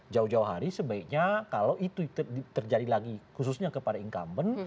jauh jauh hari sebaiknya kalau itu terjadi lagi khususnya kepada incumbent